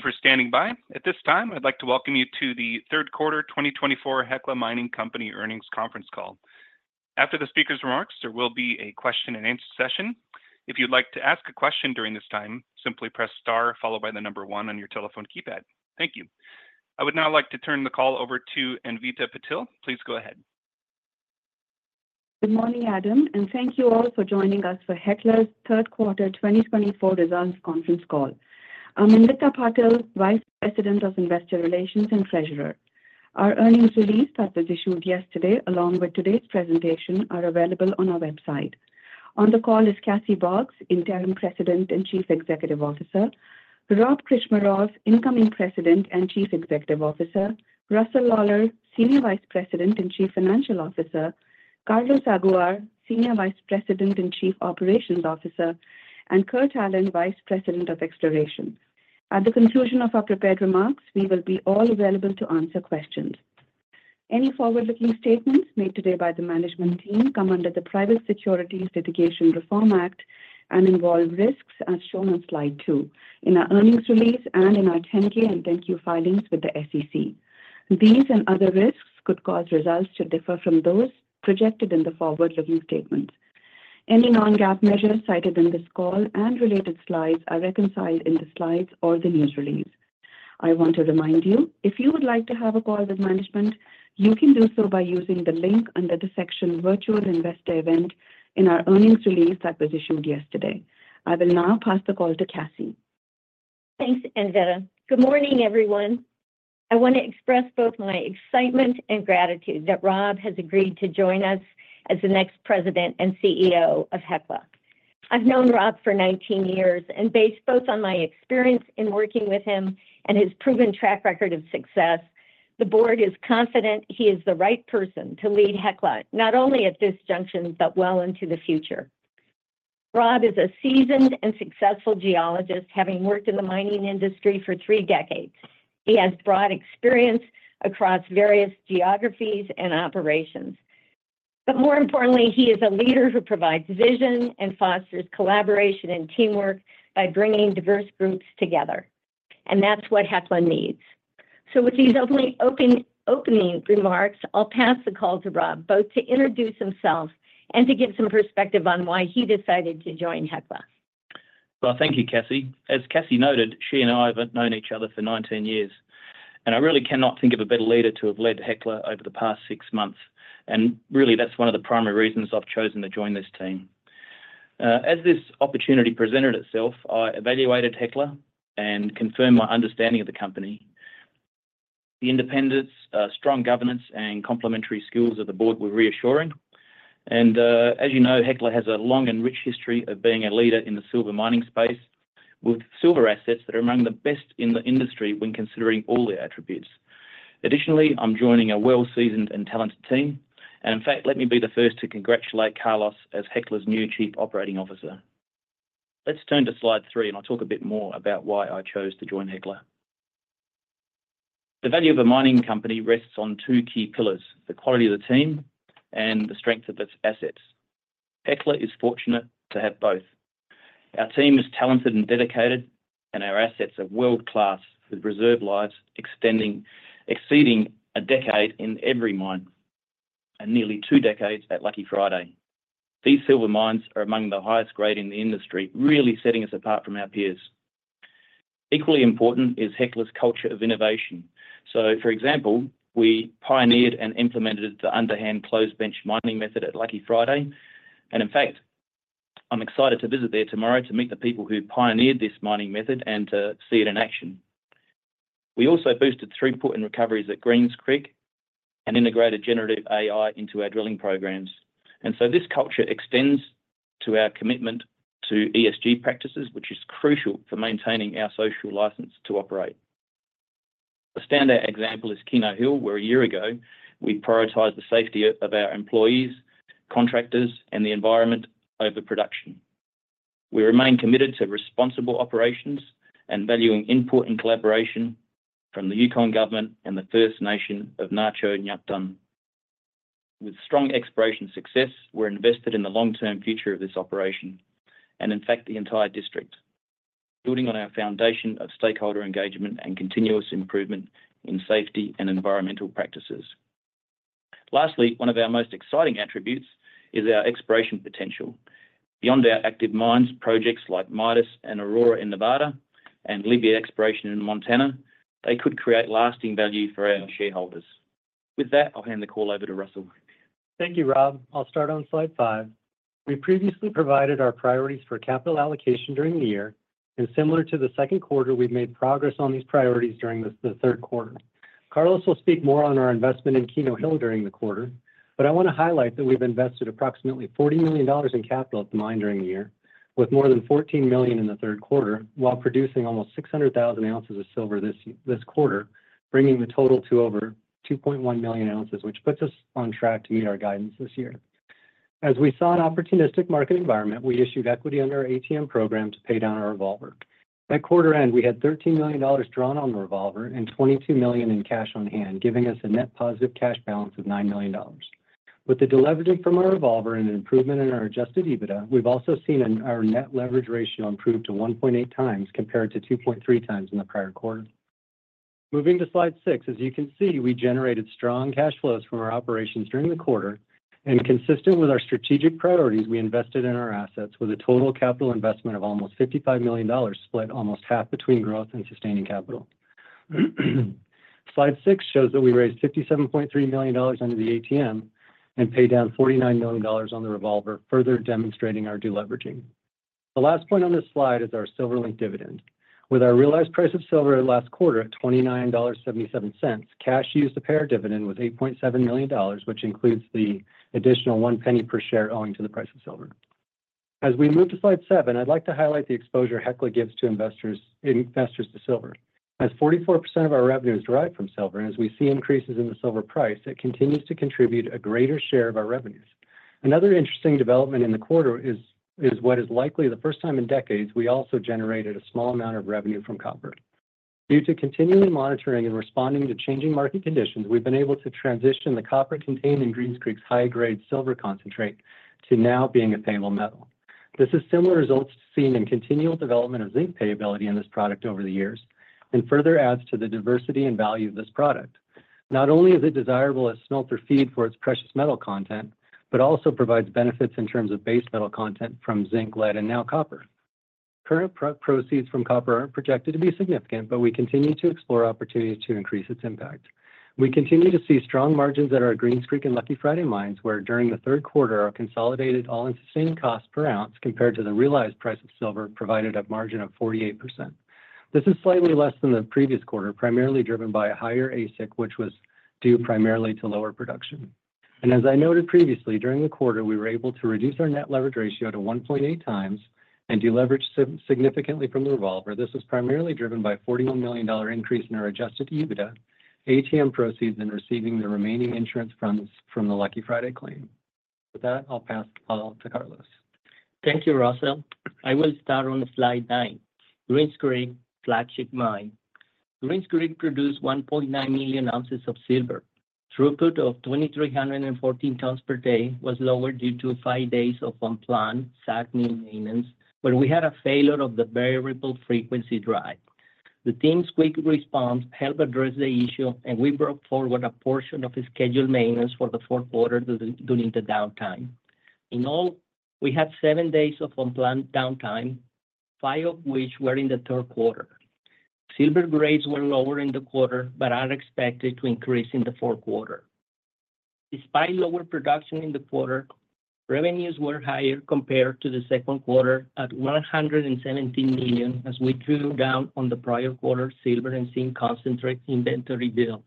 Thank you for standing by. At this time, I'd like to welcome you to the Third Quarter 2024 Hecla Mining Company Earnings Conference Call. After the speaker's remarks, there will be a question-and-answer session. If you'd like to ask a question during this time, simply press star followed by the number one on your telephone keypad. Thank you. I would now like to turn the call over to Anvita Patil. Please go ahead. Good morning, Adam, and thank you all for joining us for Hecla's Third Quarter 2024 Results Conference Call. I'm Anvita Patil, Vice President of Investor Relations and Treasurer. Our earnings release, that was issued yesterday, along with today's presentation, are available on our website. On the call is Cassie Boggs, Interim President and Chief Executive Officer, Rob Krcmarov, Incoming President and Chief Executive Officer, Russell Lawlar, Senior Vice President and Chief Financial Officer, Carlos Aguiar, Senior Vice President and Chief Operations Officer, and Kurt Allen, Vice President of Exploration. At the conclusion of our prepared remarks, we will be all available to answer questions. Any forward-looking statements made today by the management team come under the Private Securities Litigation Reform Act and involve risks as shown on slide two in our earnings release and in our 10-K and 10-Q filings with the SEC. These and other risks could cause results to differ from those projected in the forward-looking statements. Any non-GAAP measures cited in this call and related slides are reconciled in the slides or the news release. I want to remind you, if you would like to have a call with management, you can do so by using the link under the section Virtual Investor Event in our earnings release that was issued yesterday. I will now pass the call to Cassie. Thanks, Anvita. Good morning, everyone. I want to express both my excitement and gratitude that Rob has agreed to join us as the next President and CEO of Hecla. I've known Rob for 19 years, and based both on my experience in working with him and his proven track record of success, the board is confident he is the right person to lead Hecla not only at this junction but well into the future. Rob is a seasoned and successful geologist, having worked in the mining industry for three decades. He has broad experience across various geographies and operations. But more importantly, he is a leader who provides vision and fosters collaboration and teamwork by bringing diverse groups together. And that's what Hecla needs. So with these opening remarks, I'll pass the call to Rob, both to introduce himself and to give some perspective on why he decided to join Hecla. Thank you, Cassie. As Cassie noted, she and I have known each other for 19 years, and I really cannot think of a better leader to have led Hecla over the past six months. Really, that's one of the primary reasons I've chosen to join this team. As this opportunity presented itself, I evaluated Hecla and confirmed my understanding of the company. The independence, strong governance, and complementary skills of the board were reassuring. As you know, Hecla has a long and rich history of being a leader in the silver mining space, with silver assets that are among the best in the industry when considering all their attributes. Additionally, I'm joining a well-seasoned and talented team. In fact, let me be the first to congratulate Carlos as Hecla's new Chief Operating Officer. Let's turn to slide three, and I'll talk a bit more about why I chose to join Hecla. The value of a mining company rests on two key pillars: the quality of the team and the strength of its assets. Hecla is fortunate to have both. Our team is talented and dedicated, and our assets are world-class, with reserve lives exceeding a decade in every mine and nearly two decades at Lucky Friday. These silver mines are among the highest grade in the industry, really setting us apart from our peers. Equally important is Hecla's culture of innovation. So for example, we pioneered and implemented the Underhand Closed Bench mining method at Lucky Friday. And in fact, I'm excited to visit there tomorrow to meet the people who pioneered this mining method and to see it in action. We also boosted throughput and recoveries at Greens Creek and integrated generative AI into our drilling programs, and so this culture extends to our commitment to ESG practices, which is crucial for maintaining our social license to operate. A standout example is Keno Hill, where a year ago we prioritized the safety of our employees, contractors, and the environment over production. We remain committed to responsible operations and valuing input and collaboration from the Yukon government and the First Nation of Na-Cho Nyäk Dun. With strong exploration success, we're invested in the long-term future of this operation and in fact, the entire district, building on our foundation of stakeholder engagement and continuous improvement in safety and environmental practices. Lastly, one of our most exciting attributes is our exploration potential. Beyond our active mines, projects like Midas and Aurora in Nevada and Libby Exploration in Montana, they could create lasting value for our shareholders. With that, I'll hand the call over to Russell. Thank you, Rob. I'll start on slide five. We previously provided our priorities for capital allocation during the year, and similar to the second quarter, we've made progress on these priorities during the third quarter. Carlos will speak more on our investment in Keno Hill during the quarter, but I want to highlight that we've invested approximately $40 million in capital at the mine during the year, with more than $14 million in the third quarter, while producing almost 600,000 ounces of silver this quarter, bringing the total to over 2.1 million ounces, which puts us on track to meet our guidance this year. As we saw an opportunistic market environment, we issued equity under our ATM program to pay down our revolver. At quarter end, we had $13 million drawn on the revolver and $22 million in cash on hand, giving us a net positive cash balance of $9 million. With the deleveraging from our revolver and an improvement in our Adjusted EBITDA, we've also seen our net leverage ratio improve to 1.8 times compared to 2.3 times in the prior quarter. Moving to slide six, as you can see, we generated strong cash flows from our operations during the quarter. Consistent with our strategic priorities, we invested in our assets with a total capital investment of almost $55 million, split almost half between growth and sustaining capital. Slide six shows that we raised $57.3 million under the ATM and paid down $49 million on the revolver, further demonstrating our deleveraging. The last point on this slide is our silver-linked dividend. With our realized price of silver last quarter at $29.77, cash used to pay our dividend was $8.7 million, which includes the additional $0.01 per share owing to the price of silver. As we move to slide seven, I'd like to highlight the exposure Hecla gives to investors to silver. As 44% of our revenues derive from silver, and as we see increases in the silver price, it continues to contribute a greater share of our revenues. Another interesting development in the quarter is what is likely the first time in decades we also generated a small amount of revenue from copper. Due to continuing monitoring and responding to changing market conditions, we've been able to transition the copper contained in Greens Creek's high-grade silver concentrate to now being a payable metal. This is similar results seen in continual development of zinc payability in this product over the years and further adds to the diversity and value of this product. Not only is it desirable as smelter feed for its precious metal content, but also provides benefits in terms of base metal content from zinc, lead, and now copper. Current proceeds from copper aren't projected to be significant, but we continue to explore opportunities to increase its impact. We continue to see strong margins at our Greens Creek and Lucky Friday mines, where during the third quarter, our consolidated all-in sustaining cost per ounce compared to the realized price of silver provided a margin of 48%. This is slightly less than the previous quarter, primarily driven by a higher AISC, which was due primarily to lower production. As I noted previously, during the quarter, we were able to reduce our net leverage ratio to 1.8 times and deleverage significantly from the revolver. This was primarily driven by a $41 million increase in our Adjusted EBITDA, ATM proceeds, and receiving the remaining insurance funds from the Lucky Friday claim. With that, I'll pass to Carlos. Thank you, Russell. I will start on slide nine, Greens Creek flagship mine. Greens Creek produced 1.9 million ounces of silver. Throughput of 2,314 tons per day was lowered due to five days of unplanned SAG mill maintenance, where we had a failure of the variable frequency drive. The team's quick response helped address the issue, and we brought forward a portion of scheduled maintenance for the fourth quarter during the downtime. In all, we had seven days of unplanned downtime, five of which were in the third quarter. Silver grades were lower in the quarter but are expected to increase in the fourth quarter. Despite lower production in the quarter, revenues were higher compared to the second quarter at $117 million as we drew down on the prior quarter silver and zinc concentrate inventory build.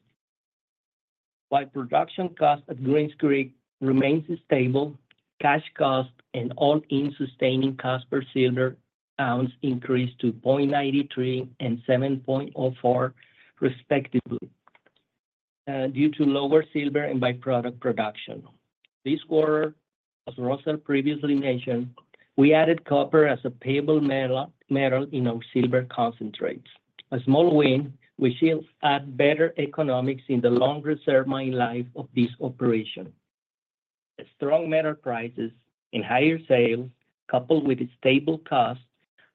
While production cost at Greens Creek remains stable, cash cost and all-in sustaining cost per silver ounce increased to $0.93 and $7.04, respectively, due to lower silver and byproduct production. This quarter, as Russell previously mentioned, we added copper as a payable metal in our silver concentrates. A small win, which yields better economics in the long reserve mine life of this operation. Strong metal prices and higher sales, coupled with stable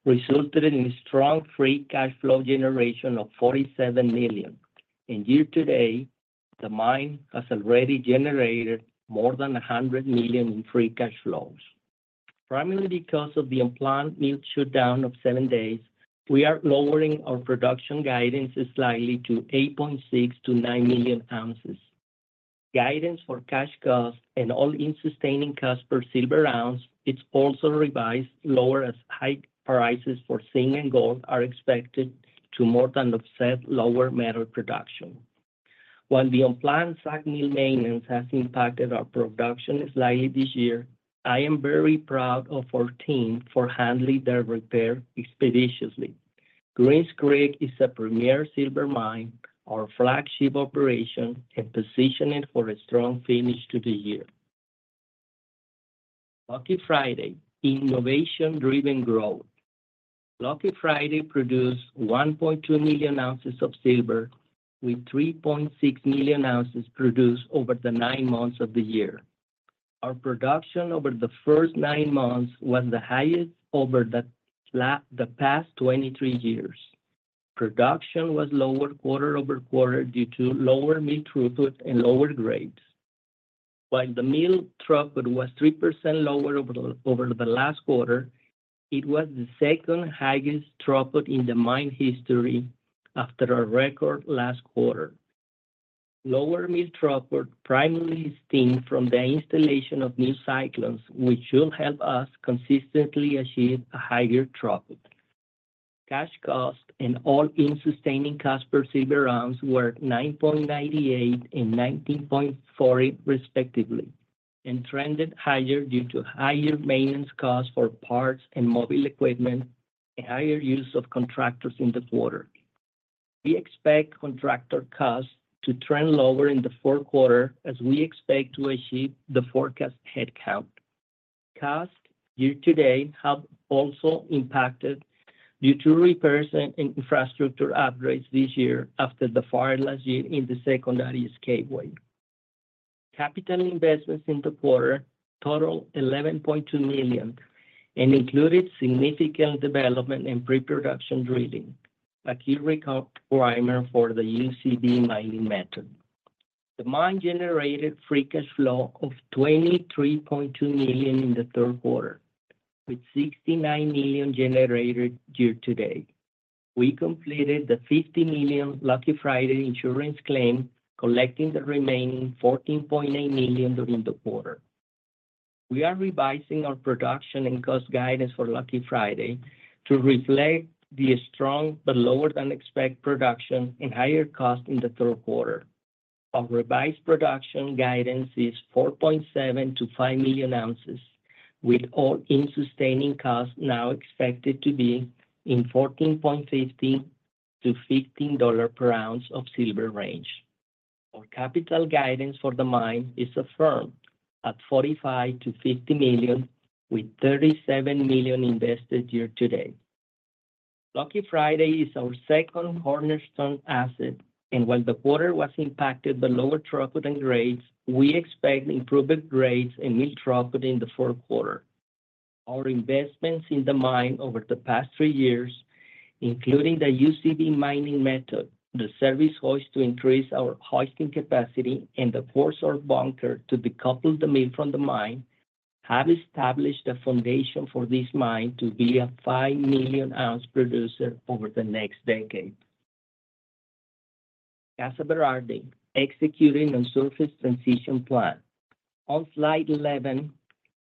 costs, resulted in a strong free cash flow generation of $47 million. And year-to-date, the mine has already generated more than $100 million in free cash flows. Primarily because of the unplanned mill shutdown of seven days, we are lowering our production guidance slightly to 8.6 million-9 million ounces. Guidance for cash cost and all-in sustaining costs per silver ounce is also revised lower as high prices for zinc and gold are expected to more than offset lower metal production. While the unplanned SAG mill maintenance has impacted our production slightly this year, I am very proud of our team for handling their repair expeditiously. Greens Creek is a premier silver mine, our flagship operation, and positioned for a strong finish to the year. Lucky Friday, innovation-driven growth. Lucky Friday produced 1.2 million ounces of silver, with 3.6 million ounces produced over the nine months of the year. Our production over the first nine months was the highest over the past 23 years. Production was lower quarter-over-quarter due to lower mill throughput and lower grades. While the mill throughput was 3% lower over the last quarter, it was the second highest throughput in the mine history after a record last quarter. Lower mill throughput primarily stemmed from the installation of new cyclones, which should help us consistently achieve a higher throughput. Cash cost and AISC per silver ounce were $9.98 and $19.40, respectively, and trended higher due to higher maintenance costs for parts and mobile equipment and higher use of contractors in the quarter. We expect contractor costs to trend lower in the fourth quarter as we expect to achieve the forecast headcount. Costs year-to-date have also impacted due to repairs and infrastructure upgrades this year after the fire last year in the secondary escape way. Capital investments in the quarter totaled $11.2 million and included significant development and pre-production drilling, a key requirement for the UCB mining method. The mine generated free cash flow of $23.2 million in the third quarter, with $69 million generated year-to-date. We completed the $50 million Lucky Friday insurance claim, collecting the remaining $14.8 million during the quarter. We are revising our production and cost guidance for Lucky Friday to reflect the strong but lower than expected production and higher cost in the third quarter. Our revised production guidance is 4.7 million-5 million ounces, with All-In Sustaining costs now expected to be in the $14.50-$15 per ounce of silver range. Our capital guidance for the mine is affirmed at $45 million-$50 million, with $37 million invested year-to-date. Lucky Friday is our second cornerstone asset. While the quarter was impacted by lower throughput and grades, we expect improved grades and mill throughput in the fourth quarter. Our investments in the mine over the past three years, including the UCB mining method, the service hoist to increase our hoisting capacity, and the coarse ore bunker to decouple the mill from the mine, have established a foundation for this mine to be a 5 million ounce producer over the next decade. Casa Berardi, executing a surface transition plan. On slide 11,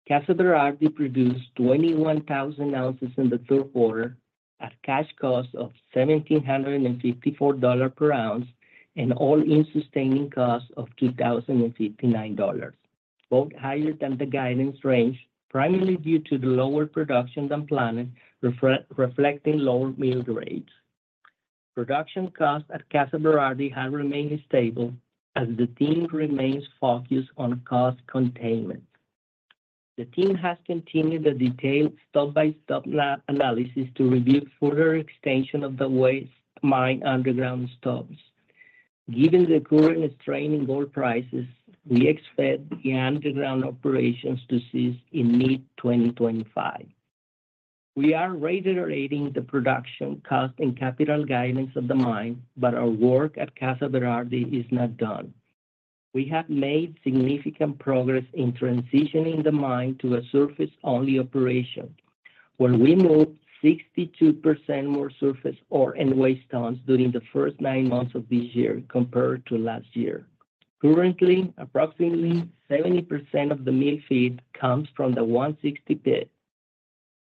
Casa Berardi produced 21,000 ounces in the third quarter at cash cost of $1,754 per ounce and all-in sustaining cost of $2,059. Both higher than the guidance range, primarily due to the lower production than planned, reflecting lower mill grades. Production cost at Casa Berardi has remained stable as the team remains focused on cost containment. The team has continued the detailed step-by-step analysis to review further extension of the West Mine underground stopes. Given the current strain in gold prices, we expect the underground operations to cease in mid-2025. We are reiterating the production cost and capital guidance of the mine, but our work at Casa Berardi is not done. We have made significant progress in transitioning the mine to a surface-only operation, where we moved 62% more surface ore and waste tons during the first nine months of this year compared to last year. Currently, approximately 70% of the mill feed comes from the 160 Pit.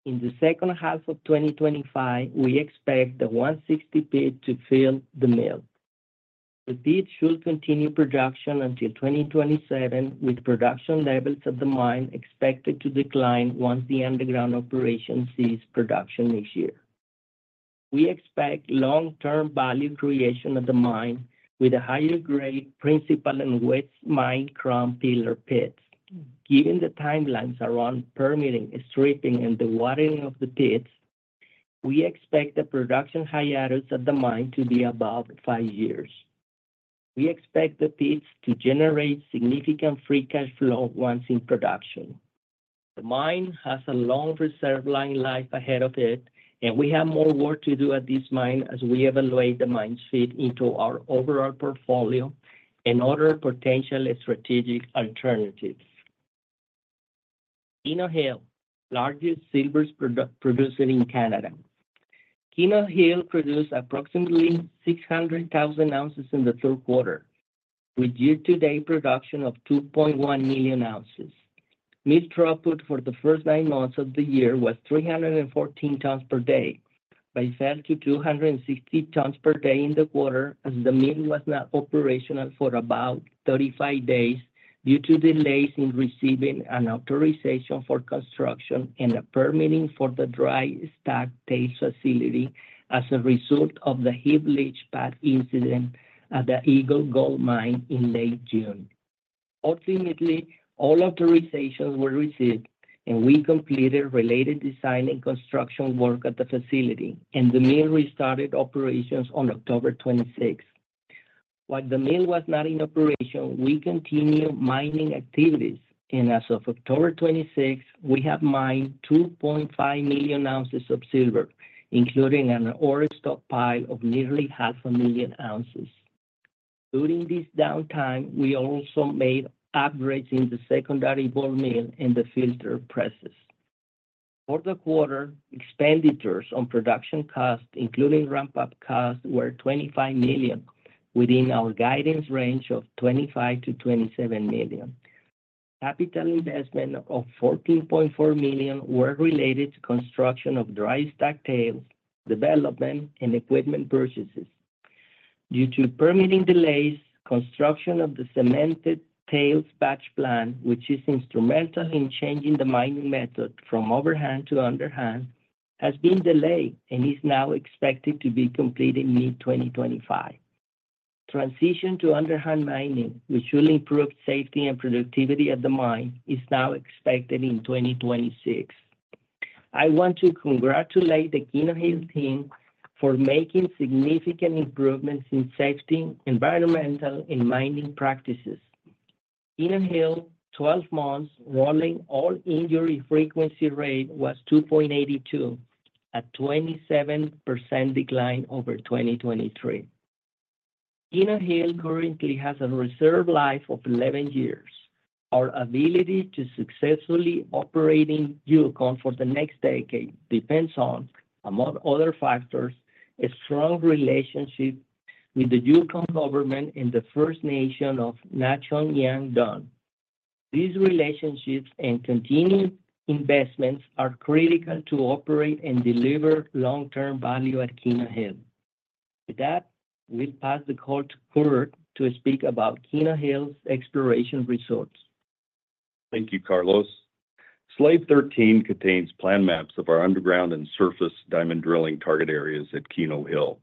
In the second half of 2025, we expect the 160 Pit to fill the mill. The pit should continue production until 2027, with production levels at the mine expected to decline once the underground operation ceases production this year. We expect long-term value creation at the mine with a higher grade Principal and West Mine Crown Pillar pits. Given the timelines around permitting, stripping, and the watering of the pits, we expect the production hiatus at the mine to be above five years. We expect the pits to generate significant free cash flow once in production. The mine has a long reserve mine life ahead of it, and we have more work to do at this mine as we evaluate the mine's feed into our overall portfolio and other potential strategic alternatives. Keno Hill, largest silver producer in Canada. Keno Hill produced approximately 600,000 ounces in the third quarter, with year-to-date production of 2.1 million ounces. Mill throughput for the first nine months of the year was 314 tons per day, but it fell to 260 tons per day in the quarter as the mill was not operational for about 35 days due to delays in receiving an authorization for construction and a permitting for the dry stack tailings facility as a result of the heap leach pad incident at the Eagle Gold Mine in late June. Ultimately, all authorizations were received, and we completed related design and construction work at the facility, and the mill restarted operations on October 26. While the mill was not in operation, we continued mining activities, and as of October 26, we have mined 2.5 million ounces of silver, including an ore stockpile of nearly 500,000 ounces. During this downtime, we also made upgrades in the secondary ball mill and the filter presses. For the quarter, expenditures on production cost, including ramp-up cost, were $25 million, within our guidance range of $25 million-$27 million. Capital investment of $14.4 million was related to construction of dry stack tailings, development, and equipment purchases. Due to permitting delays, construction of the cemented tails batch plant, which is instrumental in changing the mining method from overhand to underhand, has been delayed and is now expected to be completed mid-2025. Transition to underhand mining, which should improve safety and productivity at the mine, is now expected in 2026. I want to congratulate the Keno Hill team for making significant improvements in safety, environmental, and mining practices. Keno Hill, 12 months rolling, all-injury frequency rate was 2.82, a 27% decline over 2023. Keno Hill currently has a reserve life of 11 years. Our ability to successfully operate in Yukon for the next decade depends on, among other factors, a strong relationship with the Yukon Government and the First Nation of Na-Cho Nyäk Dun. These relationships and continued investments are critical to operate and deliver long-term value at Keno Hill. With that, we'll pass the call to Kurt to speak about Keno Hill's exploration results. Thank you, Carlos. Slide 13 contains plan maps of our underground and surface diamond drilling target areas at Keno Hill.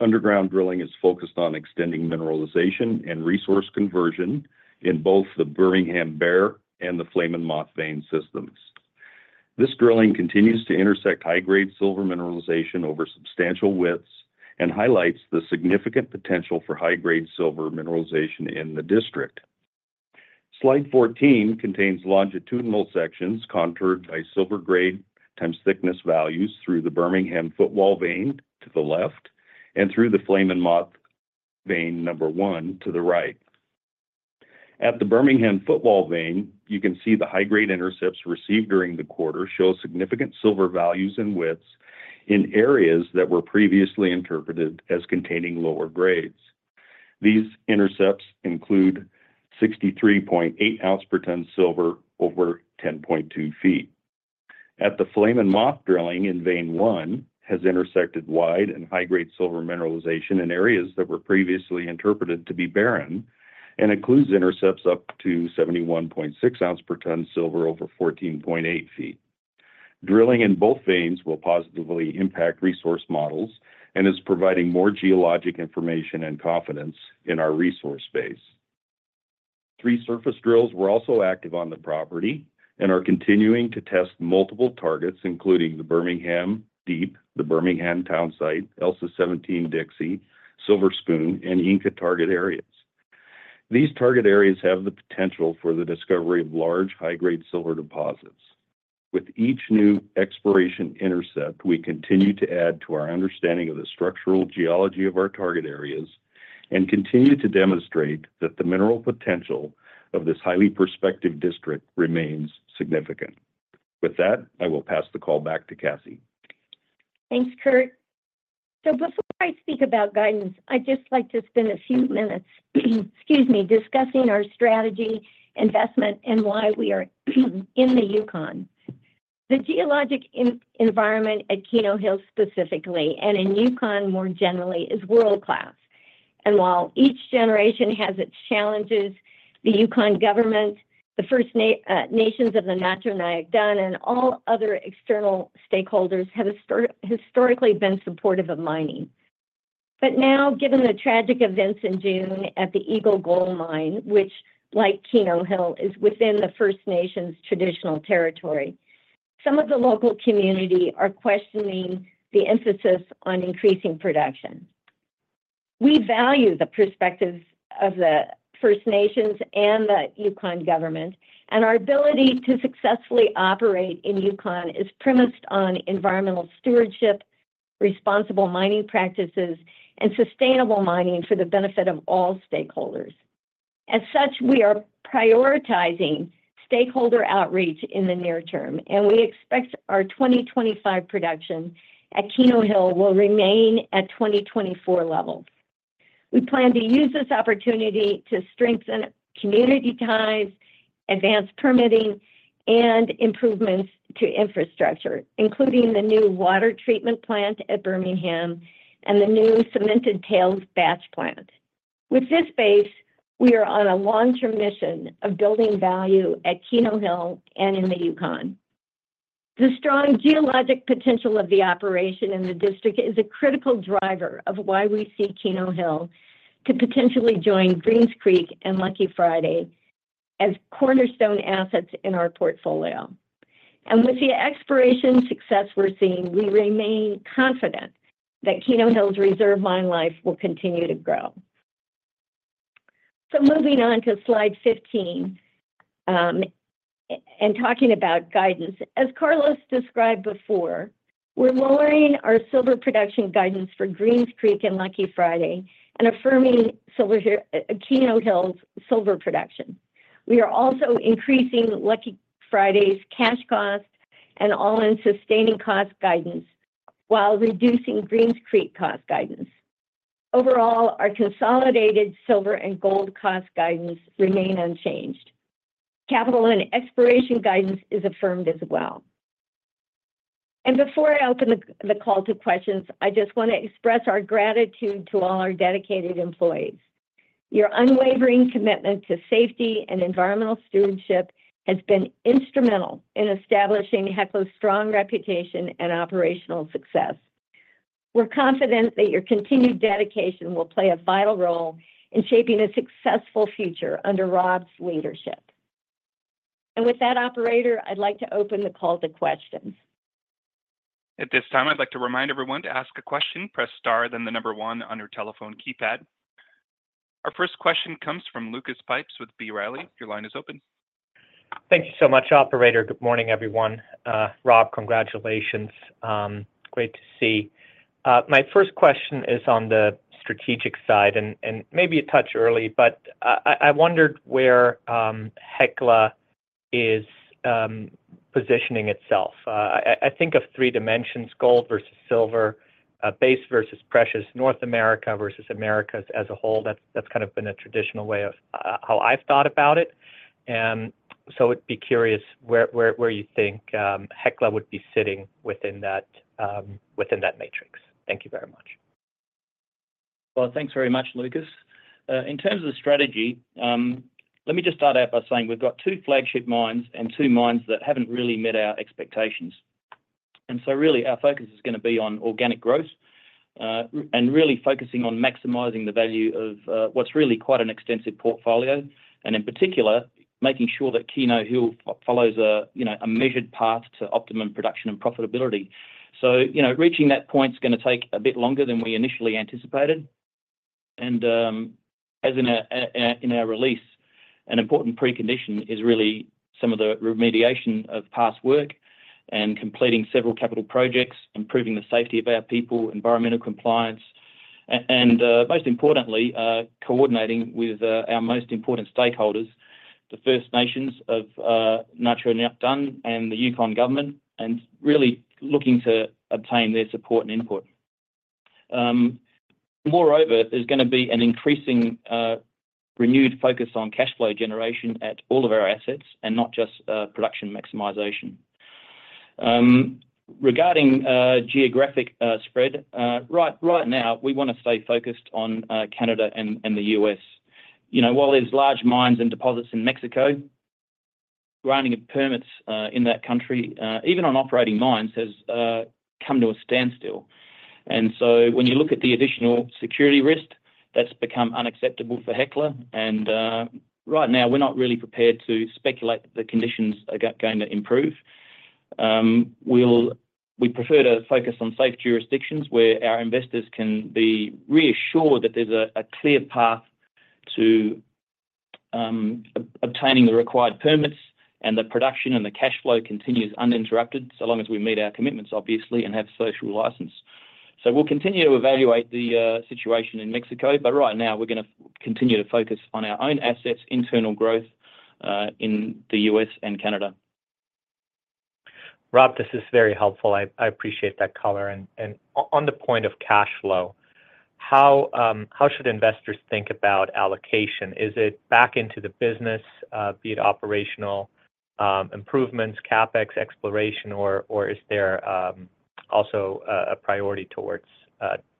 Underground drilling is focused on extending mineralization and resource conversion in both the Bermingham, Bear and the Flame & Moth vein systems. This drilling continues to intersect high-grade silver mineralization over substantial widths and highlights the significant potential for high-grade silver mineralization in the district. Slide 14 contains longitudinal sections contoured by silver grade times thickness values through the Bermingham Footwall vein to the left and through the Flame & Moth vein number one to the right. At the Bermingham Footwall vein, you can see the high-grade intercepts received during the quarter show significant silver values and widths in areas that were previously interpreted as containing lower grades. These intercepts include 63.8 ounce per ton silver over 10.2 feet. At the Flame & Moth drilling in Vein 1 has intersected wide and high-grade silver mineralization in areas that were previously interpreted to be barren and includes intercepts up to 71.6 ounces per ton silver over 14.8 feet. Drilling in both veins will positively impact resource models and is providing more geologic information and confidence in our resource base. Three surface drills were also active on the property and are continuing to test multiple targets, including the Bermingham Deep, the Bermingham Townsite, Elsa 17, Dixie, Silver Spoon, and Inca target areas. These target areas have the potential for the discovery of large high-grade silver deposits. With each new exploration intercept, we continue to add to our understanding of the structural geology of our target areas and continue to demonstrate that the mineral potential of this highly prospective district remains significant. With that, I will pass the call back to Cassie. Thanks, Kurt. So before I speak about guidance, I'd just like to spend a few minutes, excuse me, discussing our strategy, investment, and why we are in the Yukon. The geologic environment at Keno Hill specifically, and in Yukon more generally, is world-class. And while each generation has its challenges, the Yukon Government, the First Nation of Na-Cho Nyäk Dun, and all other external stakeholders have historically been supportive of mining. But now, given the tragic events in June at the Eagle Gold Mine, which, like Keno Hill, is within the First Nations' traditional territory, some of the local community are questioning the emphasis on increasing production. We value the perspectives of the First Nations and the Yukon Government, and our ability to successfully operate in Yukon is premised on environmental stewardship, responsible mining practices, and sustainable mining for the benefit of all stakeholders. As such, we are prioritizing stakeholder outreach in the near term, and we expect our 2025 production at Keno Hill will remain at 2024 levels. We plan to use this opportunity to strengthen community ties, advance permitting, and improvements to infrastructure, including the new water treatment plant at Bermingham and the new cemented tails batch plant. With this base, we are on a long-term mission of building value at Keno Hill and in the Yukon. The strong geologic potential of the operation in the district is a critical driver of why we see Keno Hill to potentially join Greens Creek and Lucky Friday as cornerstone assets in our portfolio. And with the exploration success we're seeing, we remain confident that Keno Hill's reserve mine life will continue to grow. So moving on to slide 15 and talking about guidance. As Carlos described before, we're lowering our silver production guidance for Greens Creek and Lucky Friday and affirming Keno Hill's silver production. We are also increasing Lucky Friday's cash cost and all-in sustaining cost guidance while reducing Greens Creek cost guidance. Overall, our consolidated silver and gold cost guidance remain unchanged. Capital and exploration guidance is affirmed as well. Before I open the call to questions, I just want to express our gratitude to all our dedicated employees. Your unwavering commitment to safety and environmental stewardship has been instrumental in establishing Hecla's strong reputation and operational success. We're confident that your continued dedication will play a vital role in shaping a successful future under Rob's leadership. With that, Operator, I'd like to open the call to questions. At this time, I'd like to remind everyone to ask a question, press star, then the number one on your telephone keypad. Our first question comes from Lucas Pipes with B. Riley. Your line is open. Thank you so much, Operator. Good morning, everyone. Rob, congratulations. Great to see. My first question is on the strategic side, and maybe a touch early, but I wondered where Hecla is positioning itself. I think of three dimensions: gold versus silver, base versus precious, North America versus America as a whole. That's kind of been a traditional way of how I've thought about it. And so I'd be curious where you think Hecla would be sitting within that matrix. Thank you very much. Thanks very much, Lucas. In terms of the strategy, let me just start out by saying we've got two flagship mines and two mines that haven't really met our expectations. Our focus is going to be on organic growth and really focusing on maximizing the value of what's really quite an extensive portfolio, and in particular, making sure that Keno Hill follows a measured path to optimum production and profitability. Reaching that point is going to take a bit longer than we initially anticipated. In our release, an important precondition is really some of the remediation of past work and completing several capital projects, improving the safety of our people, environmental compliance, and most importantly, coordinating with our most important stakeholders, the First Nation of Na-Cho Nyäk Dun and the Yukon Government, and really looking to obtain their support and input. Moreover, there's going to be an increasing renewed focus on cash flow generation at all of our assets and not just production maximization. Regarding geographic spread, right now, we want to stay focused on Canada and the U.S. While there's large mines and deposits in Mexico, granting permits in that country, even on operating mines, has come to a standstill, and so when you look at the additional security risk, that's become unacceptable for Hecla, and right now, we're not really prepared to speculate that the conditions are going to improve. We prefer to focus on safe jurisdictions where our investors can be reassured that there's a clear path to obtaining the required permits and the production and the cash flow continues uninterrupted so long as we meet our commitments, obviously, and have a social license. So we'll continue to evaluate the situation in Mexico, but right now, we're going to continue to focus on our own assets, internal growth in the U.S. and Canada. Rob, this is very helpful. I appreciate that color. And on the point of cash flow, how should investors think about allocation? Is it back into the business, be it operational improvements, CapEx, exploration, or is there also a priority towards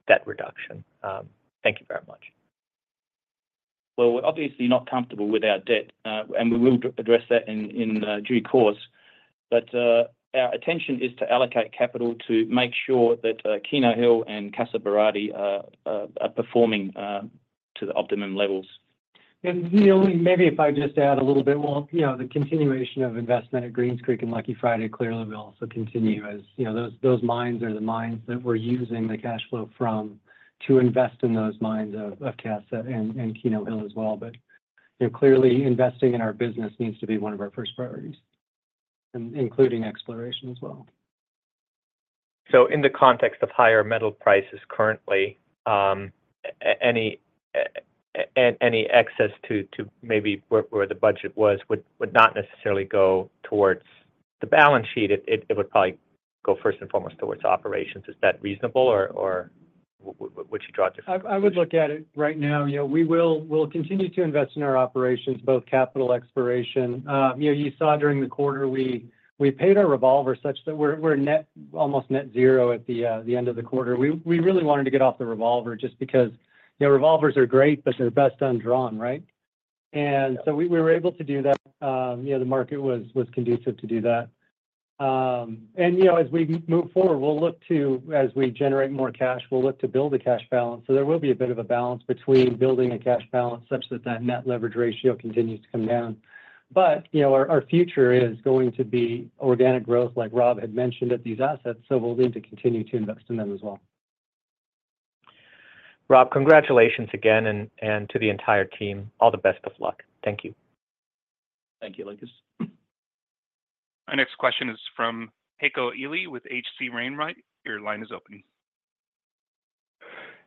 debt reduction? Thank you very much. We're obviously not comfortable with our debt, and we will address that in due course. But our intention is to allocate capital to make sure that Keno Hill and Casa Berardi are performing to the optimum levels. Maybe if I just add a little bit, well, the continuation of investment at Greens Creek and Lucky Friday clearly will also continue as those mines are the mines that we're using the cash flow from to invest in those mines of Casa Berardi and Keno Hill as well. But clearly, investing in our business needs to be one of our first priorities, including exploration as well. So in the context of higher metal prices currently, any excess to maybe where the budget was would not necessarily go towards the balance sheet. It would probably go first and foremost towards operations. Is that reasonable, or would you draw a different conclusion? I would look at it right now. We will continue to invest in our operations, both capital exploration. You saw during the quarter, we paid our revolver such that we're almost net zero at the end of the quarter. We really wanted to get off the revolver just because revolvers are great, but they're best undrawn, right? And so we were able to do that. The market was conducive to do that. And as we move forward, we'll look to, as we generate more cash, we'll look to build a cash balance. So there will be a bit of a balance between building a cash balance such that that net leverage ratio continues to come down. But our future is going to be organic growth, like Rob had mentioned, at these assets. So we'll need to continue to invest in them as well. Rob, congratulations again, and to the entire team, all the best of luck. Thank you. Thank you, Lucas. Our next question is from Heiko Ihle with H.C. Wainwright. Your line is open.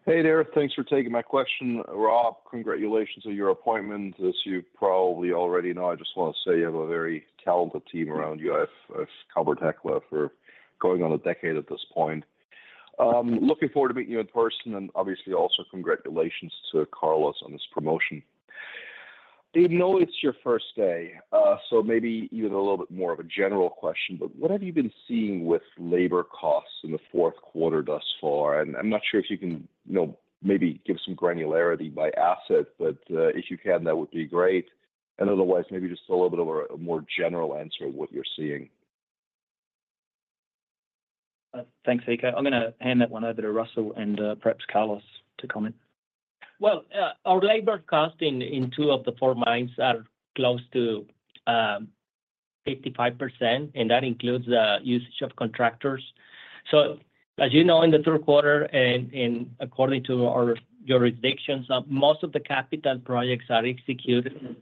Hey there. Thanks for taking my question. Rob, congratulations on your appointment. As you probably already know, I just want to say you have a very talented team around you. I've covered Hecla for going on a decade at this point. Looking forward to meeting you in person, and obviously, also congratulations to Carlos on this promotion. I know it's your first day, so maybe even a little bit more of a general question, but what have you been seeing with labor costs in the fourth quarter thus far? And I'm not sure if you can maybe give some granularity by asset, but if you can, that would be great. And otherwise, maybe just a little bit of a more general answer of what you're seeing. Thanks, Hecla. I'm going to hand that one over to Russell and perhaps Carlos to comment. Our labor costs in two of the four mines are close to 55%, and that includes the usage of contractors. As you know, in the third quarter, and according to our jurisdictions, most of the capital projects are executed.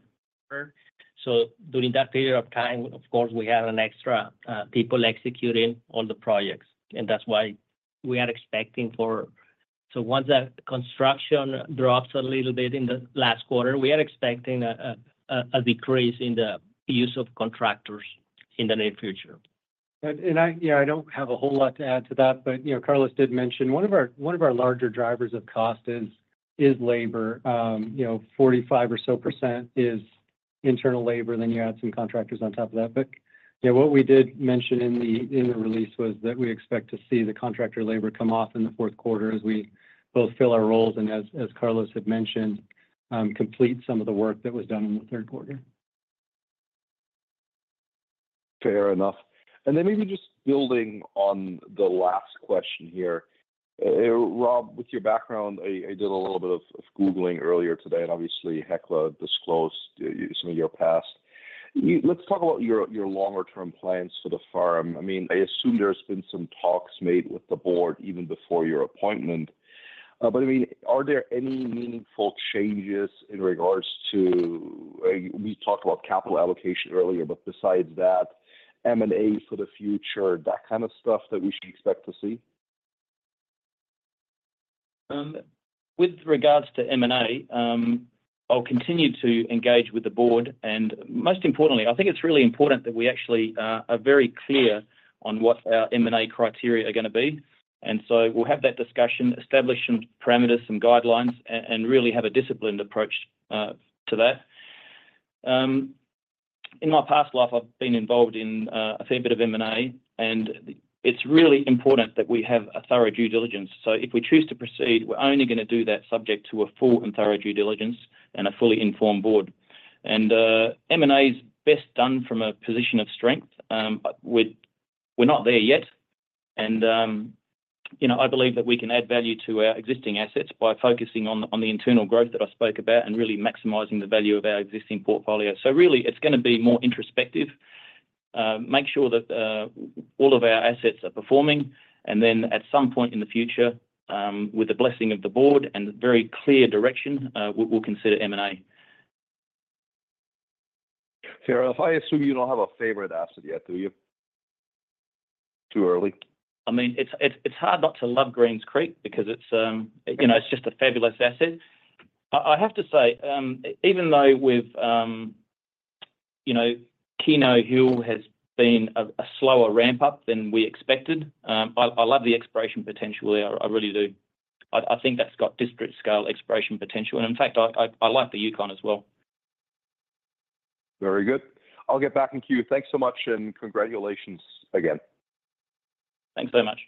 During that period of time, of course, we had an extra people executing all the projects, and that's why we are expecting for. Once the construction drops a little bit in the last quarter, we are expecting a decrease in the use of contractors in the near future. I don't have a whole lot to add to that, but Carlos did mention one of our larger drivers of cost is labor. 45% or so is internal labor. Then you add some contractors on top of that. But what we did mention in the release was that we expect to see the contractor labor come off in the fourth quarter as we both fill our roles and, as Carlos had mentioned, complete some of the work that was done in the third quarter. Fair enough. And then maybe just building on the last question here. Rob, with your background, I did a little bit of Googling earlier today, and obviously, Hecla disclosed some of your past. Let's talk about your longer-term plans for the firm. I mean, I assume there's been some talks made with the board even before your appointment. But I mean, are there any meaningful changes in regards to we talked about capital allocation earlier, but besides that, M&A for the future, that kind of stuff that we should expect to see? With regards to M&A, I'll continue to engage with the board, and most importantly, I think it's really important that we actually are very clear on what our M&A criteria are going to be, and so we'll have that discussion, establish some parameters, some guidelines, and really have a disciplined approach to that. In my past life, I've been involved in a fair bit of M&A, and it's really important that we have a thorough due diligence, so if we choose to proceed, we're only going to do that subject to a full and thorough due diligence and a fully informed board, and M&A is best done from a position of strength. We're not there yet, and I believe that we can add value to our existing assets by focusing on the internal growth that I spoke about and really maximizing the value of our existing portfolio. So really, it's going to be more introspective. Make sure that all of our assets are performing. And then at some point in the future, with the blessing of the board and very clear direction, we'll consider M&A. Fair off, I assume you don't have a favorite asset yet, do you? Too early? I mean, it's hard not to love Greens Creek because it's just a fabulous asset. I have to say, even though Keno Hill has been a slower ramp-up than we expected, I love the exploration potential. I really do. I think that's got district-scale exploration potential, and in fact, I like the Yukon as well. Very good. I'll get back in queue. Thanks so much and congratulations again. Thanks very much.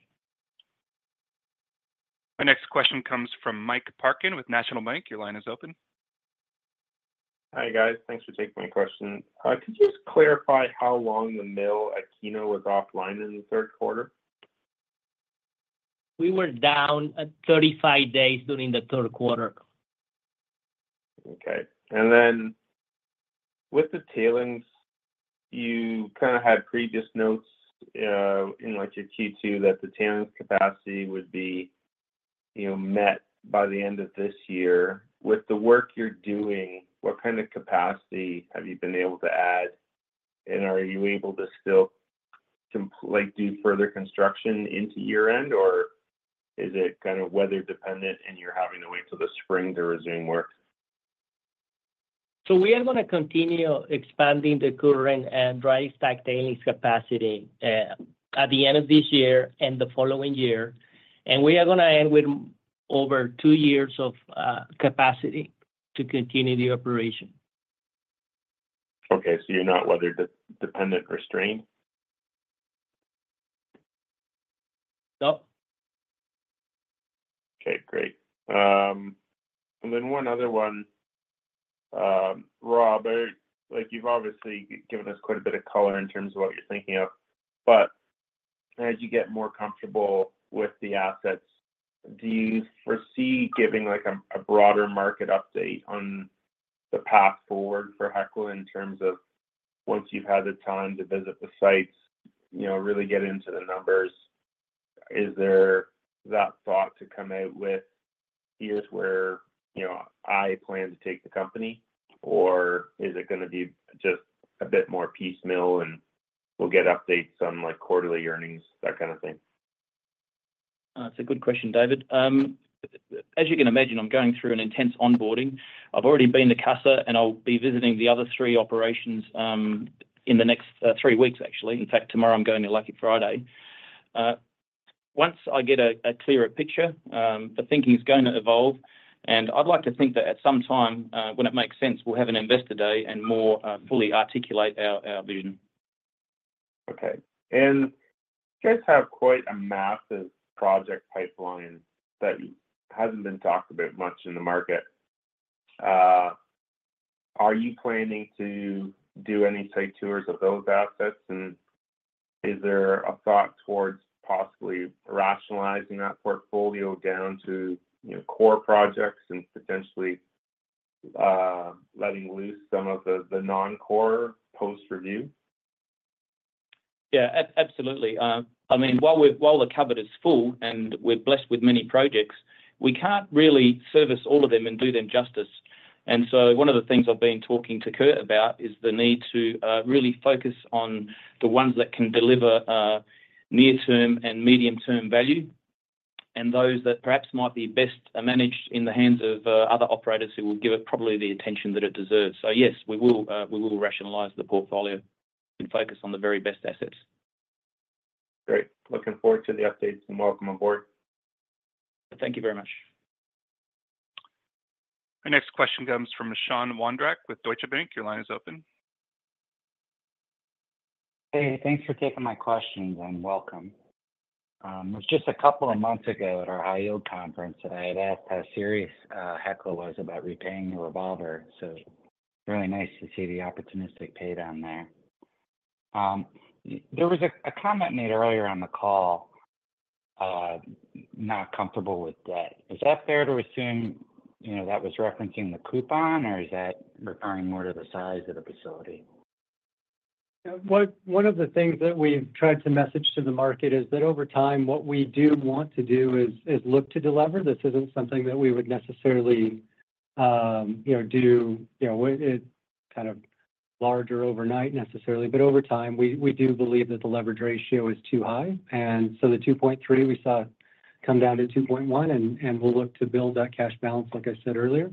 Our next question comes from Mike Parkin with National Bank Financial. Your line is open. Hi, guys. Thanks for taking my question. Could you just clarify how long the mill at Keno was offline in the third quarter? We were down 35 days during the third quarter. Okay. And then with the tailings, you kind of had previous notes in your Q2 that the tailings capacity would be met by the end of this year. With the work you're doing, what kind of capacity have you been able to add? And are you able to still do further construction into year-end, or is it kind of weather-dependent and you're having to wait till the spring to resume work? We are going to continue expanding the current dry stack tailings capacity at the end of this year and the following year. We are going to end with over two years of capacity to continue the operation. Okay. So you're not weather-dependent or strained? No. Okay. Great. And then one other one, Rob, you've obviously given us quite a bit of color in terms of what you're thinking of. But as you get more comfortable with the assets, do you foresee giving a broader market update on the path forward for Hecla in terms of once you've had the time to visit the sites, really get into the numbers? Is there that thought to come out with, "Here's where I plan to take the company," or is it going to be just a bit more piecemeal and we'll get updates on quarterly earnings, that kind of thing? That's a good question, David. As you can imagine, I'm going through an intense onboarding. I've already been to Casa and I'll be visiting the other three operations in the next three weeks, actually. In fact, tomorrow I'm going to Lucky Friday. Once I get a clearer picture, the thinking is going to evolve. And I'd like to think that at some time, when it makes sense, we'll have an investor day and more fully articulate our vision. Okay. And you guys have quite a massive project pipeline that hasn't been talked about much in the market. Are you planning to do any site tours of those assets? And is there a thought towards possibly rationalizing that portfolio down to core projects and potentially letting loose some of the non-core post-review? Yeah, absolutely. I mean, while the cupboard is full and we're blessed with many projects, we can't really service all of them and do them justice, and so one of the things I've been talking to Kurt about is the need to really focus on the ones that can deliver near-term and medium-term value and those that perhaps might be best managed in the hands of other operators who will give it probably the attention that it deserves, so yes, we will rationalize the portfolio and focus on the very best assets. Great. Looking forward to the updates and welcome aboard. Thank you very much. Our next question comes from Sean Wondrak with Deutsche Bank. Your line is open. Hey, thanks for taking my questions and welcome. It was just a couple of months ago at our high-yield conference that I had asked how serious Hecla was about repaying the revolver. So really nice to see the opportunistic pay down there. There was a comment made earlier on the call, "Not comfortable with debt." Is that fair to assume that was referencing the coupon, or is that referring more to the size of the facility? One of the things that we've tried to message to the market is that over time, what we do want to do is look to deliver. This isn't something that we would necessarily do kind of larger overnight necessarily. But over time, we do believe that the leverage ratio is too high. And so the 2.3, we saw it come down to 2.1, and we'll look to build that cash balance, like I said earlier,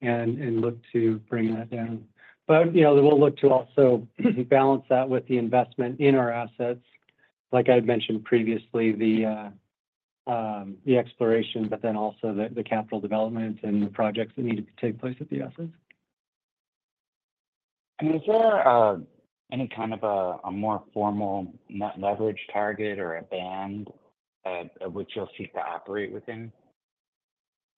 and look to bring that down. But we'll look to also balance that with the investment in our assets, like I had mentioned previously, the exploration, but then also the capital development and the projects that need to take place at the assets. Is there any kind of a more formal net leverage target or a band of which you'll seek to operate within?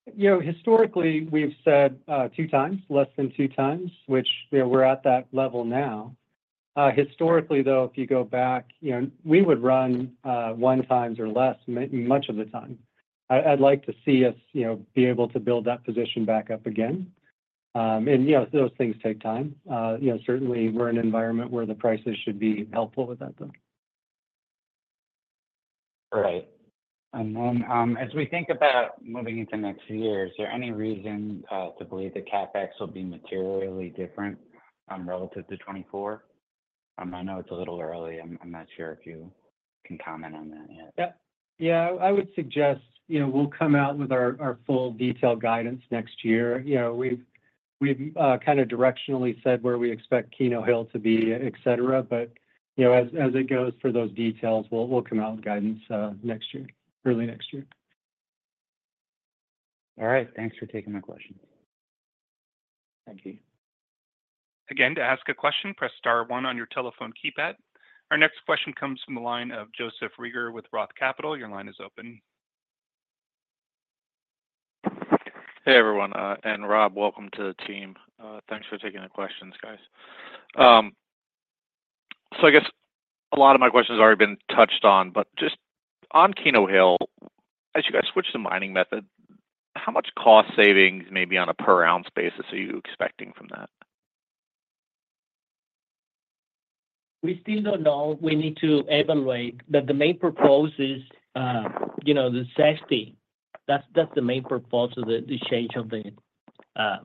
Historically, we've said two times, less than two times, which we're at that level now. Historically, though, if you go back, we would run one times or less much of the time. I'd like to see us be able to build that position back up again. And those things take time. Certainly, we're in an environment where the prices should be helpful with that, though. Right. And then as we think about moving into next year, is there any reason to believe that CapEx will be materially different relative to 2024? I know it's a little early. I'm not sure if you can comment on that yet. Yeah. Yeah. I would suggest we'll come out with our full detailed guidance next year. We've kind of directionally said where we expect Keno Hill to be, et cetera. But as it goes for those details, we'll come out with guidance next year, early next year. All right. Thanks for taking my questions. Thank you. Again, to ask a question, press star one on your telephone keypad. Our next question comes from the line of Joseph Reagor with Roth Capital. Your line is open. Hey, everyone. And Rob, welcome to the team. Thanks for taking the questions, guys. So I guess a lot of my questions have already been touched on, but just on Keno Hill, as you guys switch to mining method, how much cost savings, maybe on a per-ounce basis, are you expecting from that? We still don't know. We need to evaluate. But the main purpose is the safety. That's the main purpose of the change of the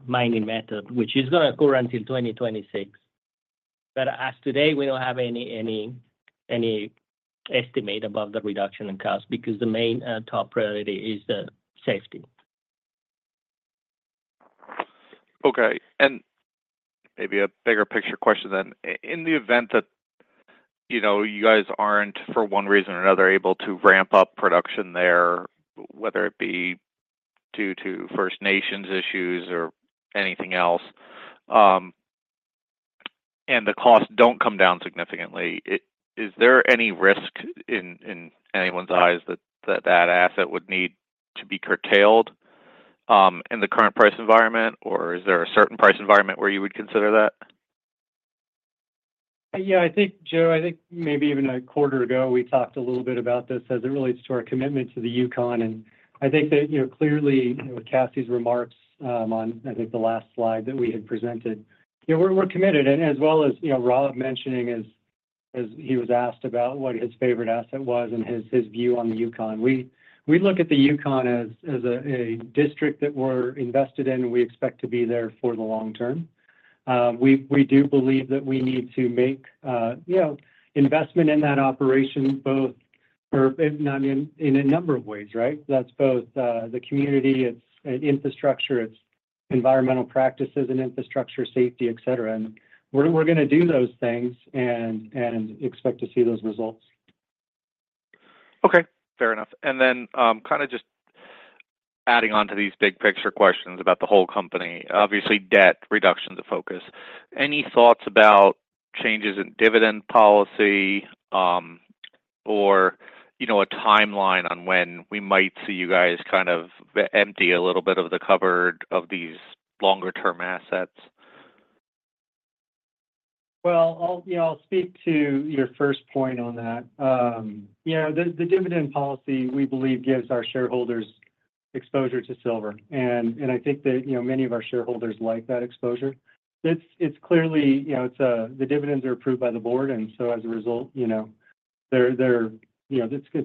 mining method, which is going to occur until 2026. But as today, we don't have any estimate about the reduction in cost because the main top priority is the safety. Okay. And maybe a bigger picture question then. In the event that you guys aren't, for one reason or another, able to ramp up production there, whether it be due to First Nations issues or anything else, and the costs don't come down significantly, is there any risk in anyone's eyes that that asset would need to be curtailed in the current price environment, or is there a certain price environment where you would consider that? Yeah. I think, Joe, I think maybe even a quarter ago, we talked a little bit about this as it relates to our commitment to the Yukon. I think that clearly, with Cassie's remarks on, I think, the last slide that we had presented, we're committed. As well as Rob mentioning as he was asked about what his favorite asset was and his view on the Yukon, we look at the Yukon as a district that we're invested in. We expect to be there for the long term. We do believe that we need to make investment in that operation both in a number of ways, right? That's both the community, its infrastructure, its environmental practices, and infrastructure safety, et cetera. We're going to do those things and expect to see those results. Okay. Fair enough. And then kind of just adding on to these big picture questions about the whole company, obviously, debt reduction is a focus. Any thoughts about changes in dividend policy or a timeline on when we might see you guys kind of empty a little bit of the cupboard of these longer-term assets? I'll speak to your first point on that. The dividend policy, we believe, gives our shareholders exposure to silver. And I think that many of our shareholders like that exposure. It's clearly the dividends are approved by the board. And so as a result, it's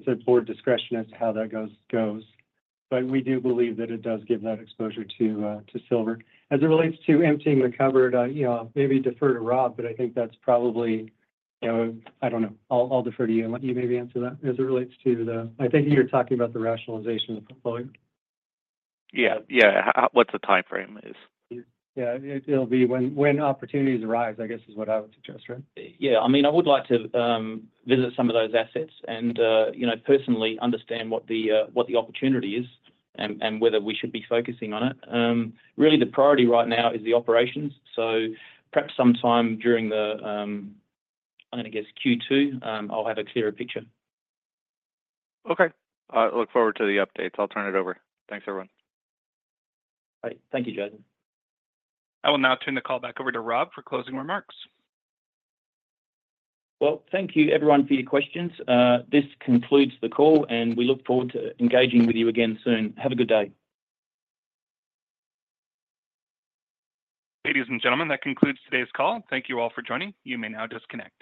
at board discretion as to how that goes. But we do believe that it does give that exposure to silver. As it relates to emptying the cupboard, maybe defer to Rob, but I think that's probably. I don't know. I'll defer to you and let you maybe answer that as it relates to the. I think you were talking about the rationalization of the portfolio. Yeah. Yeah. What's the timeframe? Yeah. It'll be when opportunities arise, I guess, is what I would suggest, right? Yeah. I mean, I would like to visit some of those assets and personally understand what the opportunity is and whether we should be focusing on it. Really, the priority right now is the operations. So perhaps sometime during the, I don't know, I guess, Q2, I'll have a clearer picture. Okay. I look forward to the updates. I'll turn it over. Thanks, everyone. All right. Thank you, Joseph. I will now turn the call back over to Rob for closing remarks. Thank you, everyone, for your questions. This concludes the call, and we look forward to engaging with you again soon. Have a good day. Ladies and gentlemen, that concludes today's call. Thank you all for joining. You may now disconnect.